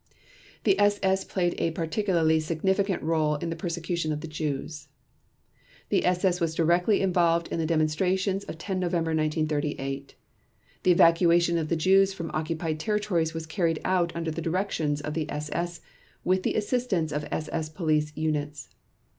The SS played a particularly significant role in the persecution of the Jews. The SS was directly involved in the demonstrations of 10 November 1938. The evacuation of the Jews from occupied territories was carried out under the directions of the SS with the assistance of SS Police units.